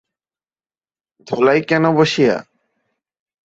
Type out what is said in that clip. ধুলায় কেন বসিয়া?